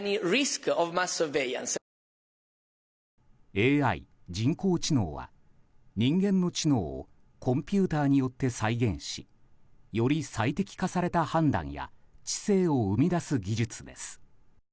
ＡＩ・人工知能は人間の知能をコンピューターによって再現しより最適化された判断や知性を生み出す技術です。